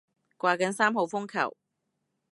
掛緊三號風球